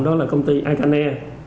đó là công ty icane